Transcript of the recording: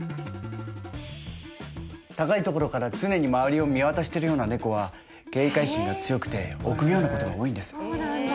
高いところから常に周りを見渡してるようなネコは警戒心が強くて臆病なことが多いんです